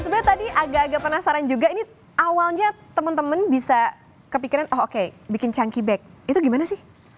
sebenernya tadi agak agak penasaran juga ini awalnya temen temen bisa kepikiran oke bikin chunky bag itu gimana sih